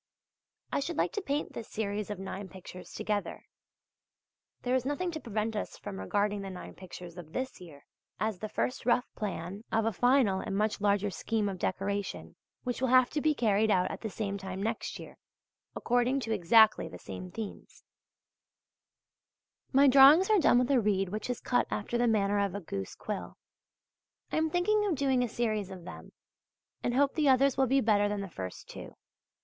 I should like to paint this series of nine pictures together. There is nothing to prevent us from regarding the nine pictures of this year, as the first rough plan of a final and much larger scheme of decoration which will have to be carried out at the same time next year, according to exactly the same themes. My drawings are done with a reed which is cut after the manner of a goose quill. I am thinking of doing a series of them, and hope the others will be better than the first two.